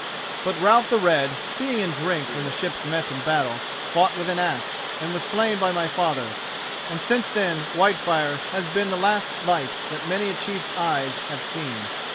But Ralph the Red, being in drink when the ships met in battle, fought with an axe, and was slain by my father, and since then Whitefire has been the last light that many a chief's eyes have seen.